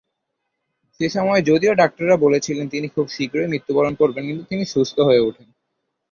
সেমময় যদিও ডাক্তাররা বলেছিলেন তিনি খুব শীঘ্রই মৃত্যুবরণ করবেন কিন্তু তিনি সুস্থ হয়ে উঠেন।